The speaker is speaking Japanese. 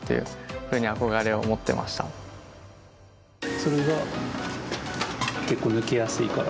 それが結構抜けやすいから。